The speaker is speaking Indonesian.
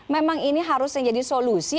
memang ini harusnya jadi solusi